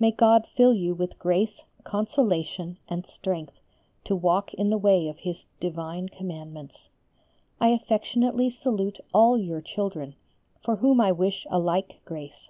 May God fill you with grace, consolation, and strength to walk in the way of His divine commandments! I affectionately salute all your children, for whom I wish a like grace.